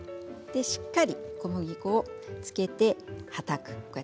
しっかり小麦粉をつけて、はたく。